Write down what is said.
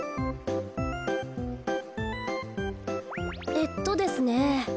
えっとですね。